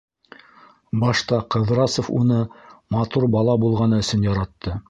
Башта Ҡыҙрасов уны матур бала булғаны өсөн яратты.